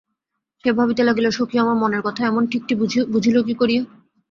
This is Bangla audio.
সে ভাবিতে লাগিল, সখী আমার মনের কথা এমন ঠিকটি বুঝিল কী করিয়া।